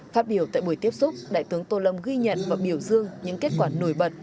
phát biểu tại buổi tiếp xúc đại tướng tô lâm ghi nhận và biểu dương những kết quả nổi bật